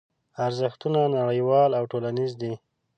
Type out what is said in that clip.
ارزښتونه نړیوال او ټولنیز دي.